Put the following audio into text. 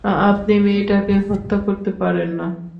আপনি মেয়েটাকে হত্যা করতে পারেন না!